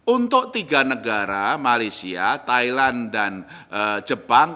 untuk tiga negara malaysia thailand dan jepang